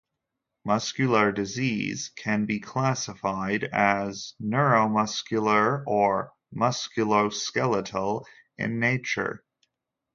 Muscular disease can be classified as neuromuscular or musculoskeletal in nature.